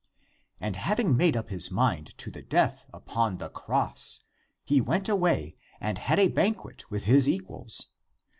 And having made up his mind to the death upon the cross, he went away and had a banquet with his equals.